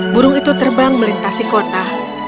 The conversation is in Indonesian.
burung itu terbang melintasi kota